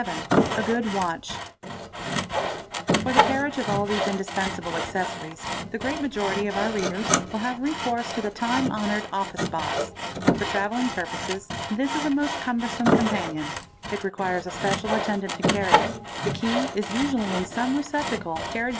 A. good witch: SE For the carriage of all these indispensable décosauries, the great majo y of our readers will have recourse to the time honoured " Office box." or travelling purposes this is a most cumbersome companion ; it requires pecial attendant to carry it, the key is usually in some receptacle carried a 19 | a